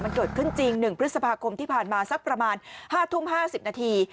มันเกิดขึ้นจริง๑พฤษภาคมที่ผ่านมาสักประมาณ๕ทุ่ม๕๐นาที